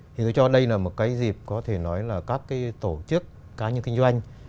thì tôi cho đây là một cái dịp có thể nói là các tổ chức các những kinh doanh